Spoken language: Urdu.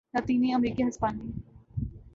لاطینی امریکی ہسپانوی